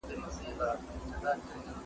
زه پرون د کتابتون پاکوالی وکړ!!